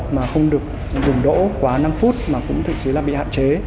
mà không được dừng đỗ quá năm phút mà cũng thậm chí là bị hạn chế